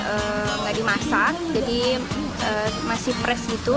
enggak dimasak jadi masih fresh gitu